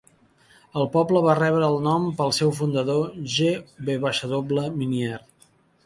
El poble va rebre el nom pel seu fundador, G. W. Minier.